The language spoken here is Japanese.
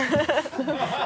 ハハハ